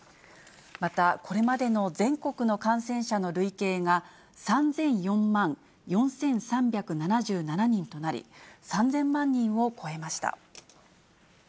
また、これまでの全国の感染者の累計が、３００４万となり、３０００万人を超えました。